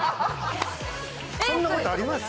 そんなことあります？